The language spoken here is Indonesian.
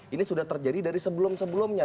ini sudah terjadi dari sebelum sebelumnya